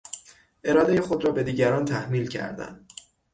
ارادهی خود را به دیگران تحمیل کردن